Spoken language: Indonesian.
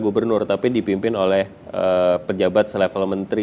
gubernur tapi dipimpin oleh pejabat selevel menteri